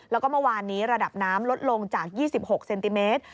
แล้วก็เมื่อวานนี้ระดับน้ำลดลงจาก๒๖เซนติเมตร